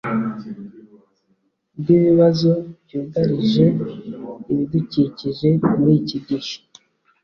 bwibibazo byugarije ibidukikije muri iki gihe